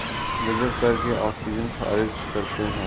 جذب کرکے آکسیجن خارج کرتے ہیں